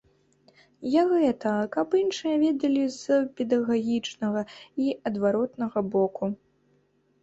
Я гэта, каб іншыя ведалі з педагагічнага і адваротнага боку.